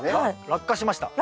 落下しました。